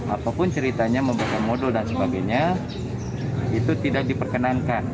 apapun ceritanya memberikan modul dan sebagainya itu tidak diperkenankan